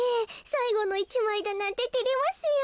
さいごの１まいだなんててれますよ。